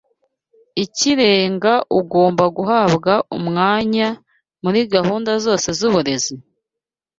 ikirenga ugomba guhabwa umwanya muri gahunda zose z’uburezi?